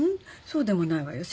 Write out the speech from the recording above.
そうでもないわよ。